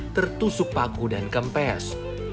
tertusuk paku dan kempes